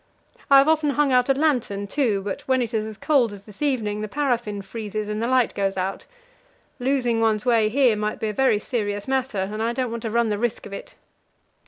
I have often hung out a lantern, too; but when it is as cold as this evening, the paraffin freezes and the light goes out. Losing one's way here might be a very serious matter, and I don't want to run the risk of it.